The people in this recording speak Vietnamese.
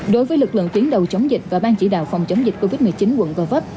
đối với lực lượng tuyến đầu chống dịch và bang chỉ đạo phòng chống dịch covid một mươi chín quận covap